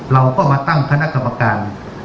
เราก็มาตั้งคณะกรรมการ